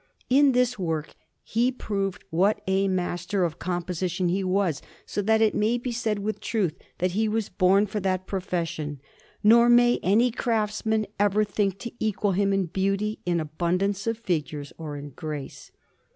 In this work he proved what a master of composition he was, so that it may be said with truth that he was born for that profession; nor may any craftsman ever think to equal him in beauty, in abundance of figures, or in grace.